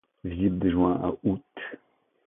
Visible de juin à août.